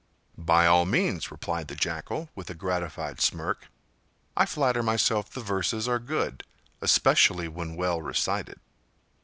"By all means," replied the Jackal, with a gratified smirk. "I flatter myself the verses are good, especially when well recited."